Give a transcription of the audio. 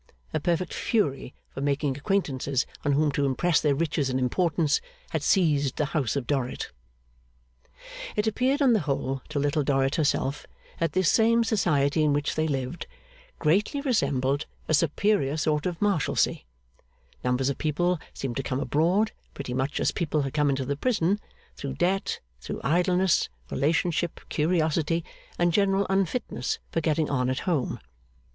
A perfect fury for making acquaintances on whom to impress their riches and importance, had seized the House of Dorrit. It appeared on the whole, to Little Dorrit herself, that this same society in which they lived, greatly resembled a superior sort of Marshalsea. Numbers of people seemed to come abroad, pretty much as people had come into the prison; through debt, through idleness, relationship, curiosity, and general unfitness for getting on at home.